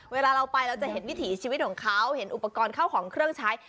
เวลาเราไปเราจะเห็นวิถีชีวิตของเขาเห็นอุปกรณ์เข้าของเครื่องใช้